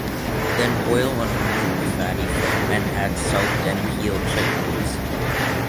Then boil and remove the fatty foam and add soaked and peeled chick peas.